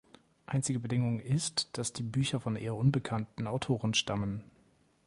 Einzige Bedingung ist, dass die Bücher von eher unbekannten Autoren stammen.